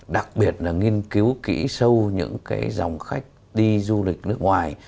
đặc biệt là nghiên cứu kỹ sâu những cái dòng khách đi du lịch nước ngoài